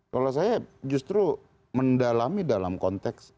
kalau saya justru mendalami dalam konteks